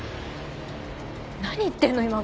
何言ってんの今頃。